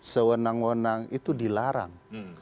sewenang wenang itu dilarang